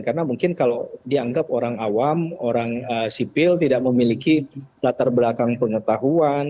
karena mungkin kalau dianggap orang awam orang sipil tidak memiliki latar belakang pengetahuan